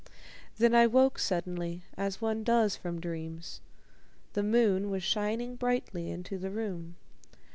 Then I woke suddenly as one does from dreams. The moon was shining brightly into the room.